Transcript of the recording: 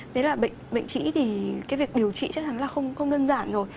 thế là bệnh trĩ thì cái việc điều trị chắc chắn là không đơn giản rồi